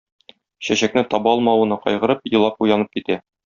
Чәчәкне таба алмавына кайгырып, елап уянып китә.